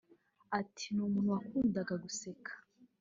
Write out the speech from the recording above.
Ati “Ni umuntu wakundaga guseka